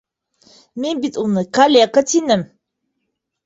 Мин бит уны калека тинем!